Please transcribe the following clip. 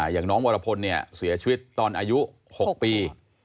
อย่างน้องวรพลเสียชีวิตตอนอายุ๖ปี